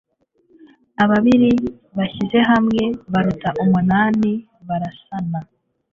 ababiri bashyize hamwe baruta umunani barasana